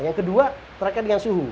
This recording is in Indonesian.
yang kedua terkait dengan suhu